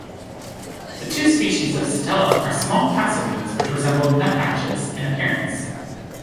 The two species of sittella are small passerines which resemble nuthatches in appearance.